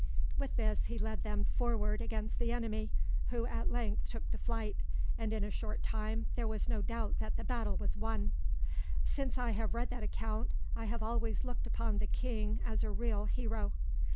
"With this he led them forward against the enemy, who at length took to flight, and in a short time there was no doubt that the battle was won. "Since I have read that account, I have always looked upon the king as a real hero."